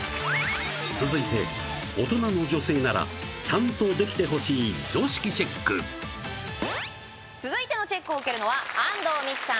続いて大人の女性ならちゃんとできてほしい常識チェック続いてのチェックを受けるのは安藤美姫さん